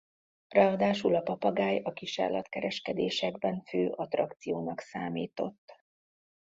Ráadásul a papagáj a kisállat-kereskedésekben fő attrakciónak számított.